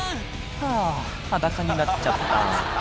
「はぁ裸になっちゃった」